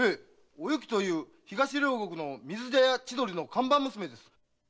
「おゆき」という東両国の水茶屋の看板娘です。